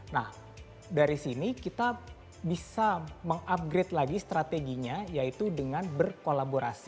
nah dari sini kita bisa mengupgrade lagi strateginya yaitu dengan berkolaborasi